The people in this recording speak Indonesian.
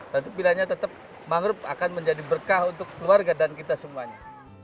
tentu pilihannya tetap mangrove akan menjadi berkah untuk keluarga dan kita semuanya